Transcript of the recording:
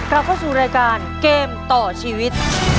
เราเข้าสู่รายการเกมต่อชีวิต